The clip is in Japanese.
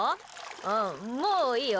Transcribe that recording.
うん、もういいよ。